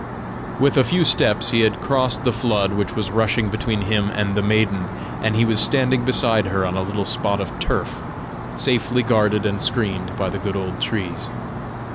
With a few steps he had crossed the flood which was rushing between him and the maiden, and he was standing beside her on a little spot of turf, safely guarded and screened by the good old trees.